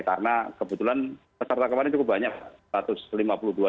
karena kebetulan peserta kemarin cukup banyak